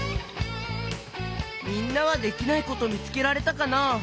みんなはできないことみつけられたかな？